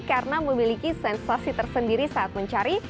karena memiliki sensasi tersendiri saat mencari